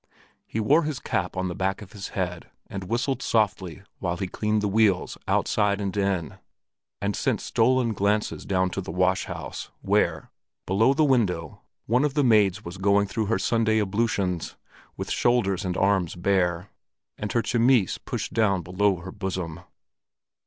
He wore his cap on the back of his head, and whistled softly while he cleaned the wheels outside and in, and sent stolen glances down to the wash house, where, below the window, one of the maids was going through her Sunday ablutions, with shoulders and arms bare, and her chemise pushed down below her bosom.